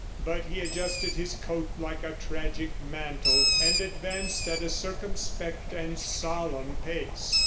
But he adjusted his coat like a tragic mantle and advanced at a circumspect and solemn pace.